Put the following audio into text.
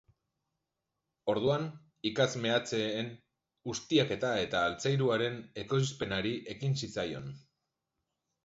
Orduan ikatz meatzeen ustiaketa eta altzairuaren ekoizpenari ekin zitzaion.